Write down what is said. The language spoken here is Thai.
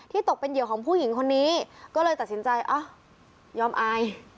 ตกเป็นเหยื่อของผู้หญิงคนนี้ก็เลยตัดสินใจอ้าวยอมอาย